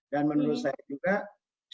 dan menurut saya juga sharing ekonomi